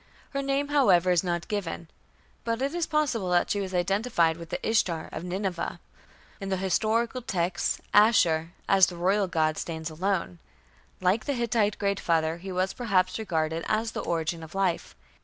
Her name, however, is not given, but it is possible that she was identified with the Ishtar of Nineveh. In the historical texts Ashur, as the royal god, stands alone. Like the Hittite Great Father, he was perhaps regarded as the origin of life.